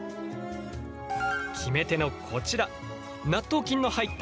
決め手のこちら納豆菌の入った液体。